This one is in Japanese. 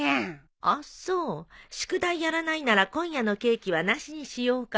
あっそう宿題やらないなら今夜のケーキはなしにしようかな。